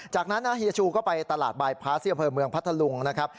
จากนั้นฮียชูก็ไปตลาดบ่ายพระเซียเผลอเมืองพัทธลุงนะครับ